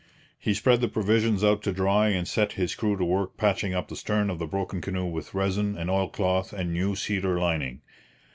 He spread the provisions out to dry and set his crew to work patching up the stern of the broken canoe with resin and oilcloth and new cedar lining.